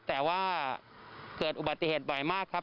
แต่ว่าเกิดอุบัติเหตุบ่อยมากครับ